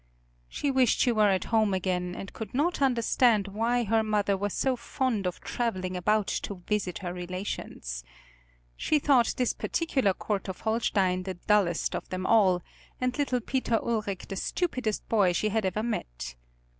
She wished she were at home again, and could not understand why her mother was so fond of traveling about to visit her relations. She thought this particular court of Holstein the dullest of them all, and little Peter Ulric the stupidest boy she had ever met.